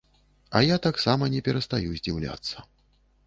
А я таксама не перастаю здзіўляцца.